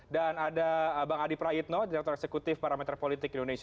dan ada bang adi praitno direktur eksekutif parameter politik indonesia